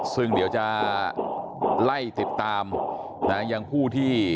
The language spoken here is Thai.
ซึ่งเดี๋ยวจะไล่ติดตามนะยังผู้ที่